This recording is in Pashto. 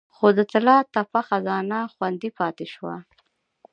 خو د طلا تپه خزانه خوندي پاتې شوه